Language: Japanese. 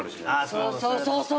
そうそうそうそう。